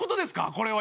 これは。